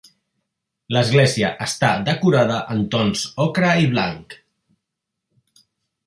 L'església està decorada en tons ocre i blanc.